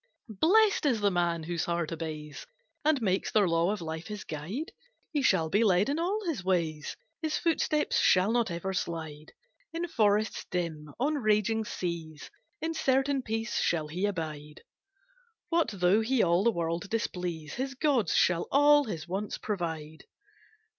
"Blest is the man whose heart obeys And makes their law of life his guide, He shall be led in all his ways, His footsteps shall not ever slide; In forests dim, on raging seas, In certain peace shall he abide, What though he all the world displease, His gods shall all his wants provide!"